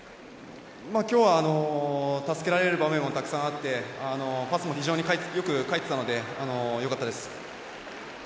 今日は助けられる場面もたくさんあってパスも非常によく返っていたのでよかったです。